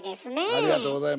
ありがとうございます。